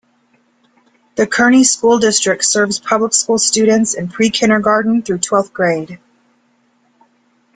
The Kearny School District serves public school students in pre-kindergarten through twelfth grade.